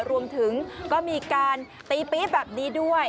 รวมถึงก็มีการตีปี๊บแบบนี้ด้วย